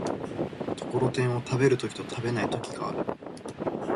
ところてんを食べる時と食べない時がある。